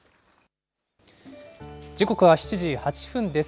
時刻は７時８分です。